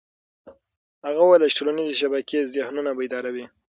هغه وویل چې ټولنيزې شبکې ذهنونه بیداروي.